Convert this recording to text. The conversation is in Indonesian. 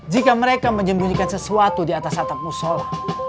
jika mereka menyembunyikan sesuatu di atas atap musola